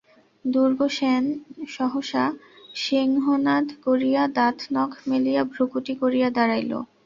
দুর্গ যেন সহসা সিংহনাদ করিয়া দাঁত নখ মেলিয়া ভ্রূকুটি করিয়া দাঁড়াইল।